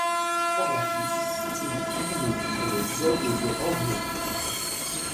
Par la suite il signe pour le club de Hambourg.